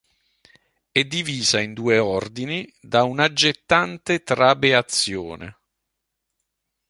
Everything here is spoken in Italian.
È divisa in due ordini da un'aggettante trabeazione.